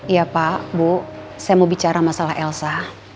iya pak bu saya mau bicara masalah elsa